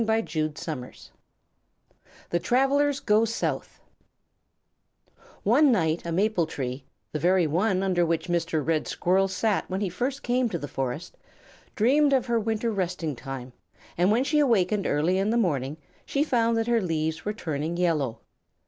THE TRAVELLERS GO SOUTH One night a maple tree, the very one under which Mr. Red Squirrel sat when he first came to the forest, dreamed of her winter resting time, and when she awakened early in the morning she found that her leaves were turning yellow.